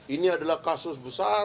ini adalah kasus besar